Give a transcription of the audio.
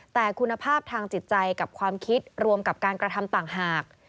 แต่คุณภาพทางจิตใจกับความคิดรวมกับการกระทำต่างหาก